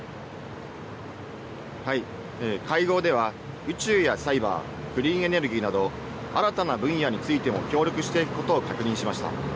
会合では宇宙やサイバー、クリーンエネルギーなど新たな分野についても協力していくことを確認しました。